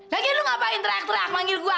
lagi lo ngapain teriak teriak manggil gua